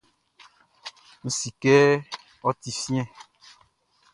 N si kɛ ɔ ti fiɛn.